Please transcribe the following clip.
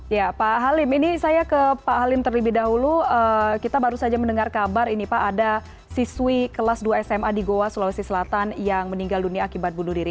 ya pak halim ini saya ke pak halim terlebih dahulu kita baru saja mendengar kabar ini pak ada siswi kelas dua sma di goa sulawesi selatan yang meninggal dunia akibat bunuh diri